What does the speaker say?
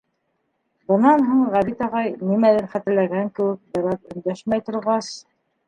Бынан һуң Ғәбит ағай, нимәлер хәтерләгән кеүек, бер аҙ өндәшмәй торғас: